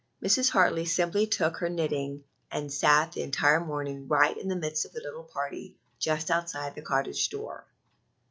Mrs. Hartley simply took her knitting, and sat the entire morning right in the midst of the little party just outside the cottage door.